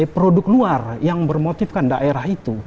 produk luar yang bermotifkan daerah itu